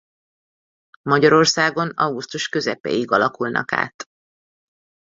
Magyarországon augusztus közepéig alakulnak át.